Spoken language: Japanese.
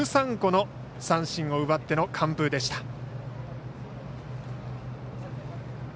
１３個の三振を奪っての完封でした。